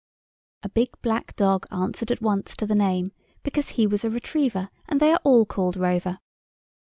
A big black dog answered at once to the name, because he was a retriever, and they are all called Rover.